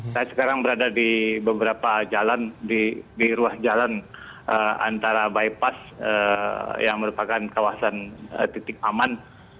saya sekarang berada di beberapa jalan di ruas jalan antara bypass yang merupakan kawasan titik aman